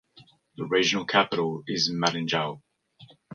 The regional capital is Madingou.